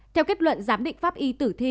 theo kết luận giám định pháp y tử